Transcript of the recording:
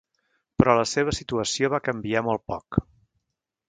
Però la seva situació va canviar molt poc.